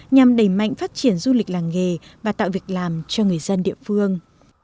nhằm đẩy mạnh phát triển du lịch làng nghề và tạo việc làm cho người dân địa phương